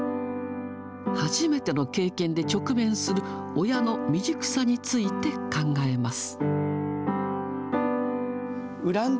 初めての経験で直面する、親の未熟さについて考えます。